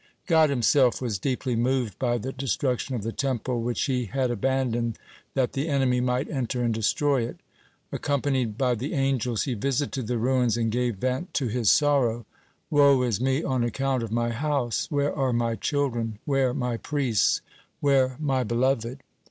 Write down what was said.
(31) God Himself was deeply moved by the destruction of the Temple, which He had abandoned that the enemy might enter and destroy it. Accompanied by the angels, He visited the ruins, and gave vent to His sorrow: "Woe is Me on account of My house. Where are My children, where My priests, where My beloved?